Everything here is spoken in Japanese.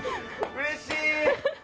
うれしい！